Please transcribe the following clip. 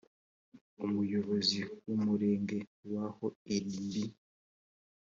umuyobozi w umurenge w aho irimbi